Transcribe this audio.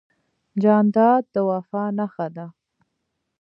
جانداد د وفا نښه ده.